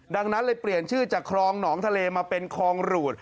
ดังนั้นเลยเปลี่ยนชื่อจากคลองหนองทะเลมาเป็นคลองหรูด